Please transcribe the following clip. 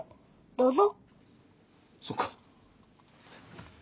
どうぞ。